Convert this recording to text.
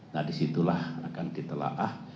nah disitulah akan ditelaah